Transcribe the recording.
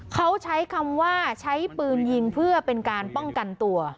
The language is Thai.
เขาใช้คำว่าใช้ปืนยิงเพื่อเป็นการป้องกันตัว